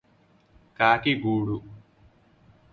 కాకి గూడు